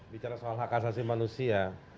bicara soal hak asasi manusia